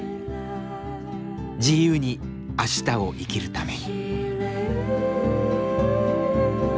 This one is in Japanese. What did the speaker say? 自由に明日を生きるために。